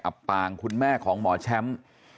อปางคุณแม่ของหมอแชมป์